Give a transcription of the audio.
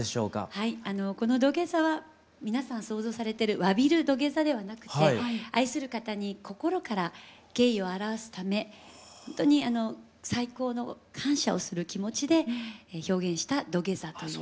はいこの土下座は皆さん想像されてるわびる土下座ではなくて愛する方に心から敬意を表すためほんとに最高の感謝をする気持ちで表現した土下座という。